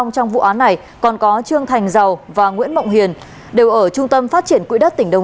xin chào và hẹn gặp lại